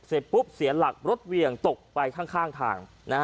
เสร็จปุ๊บเสียหลักรถเวียงตกไปข้างทาง